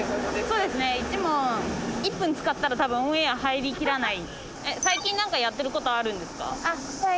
そうですね１問１分使ったら多分オンエアー入りきらない。